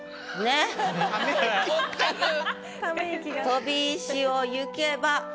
「飛び石をゆけば」